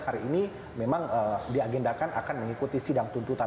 hari ini memang diagendakan akan mengikuti sidang tuntutan